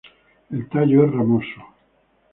El tallo es ramoso.